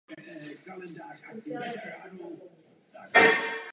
V současnosti je známý vydáváním duchovní literatury.